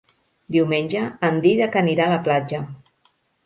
Diumenge en Dídac anirà a la platja.